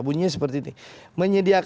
bunyinya seperti ini